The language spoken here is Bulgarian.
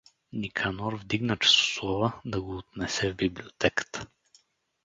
Никанор вдигна часослова да го отнесе в библиотеката.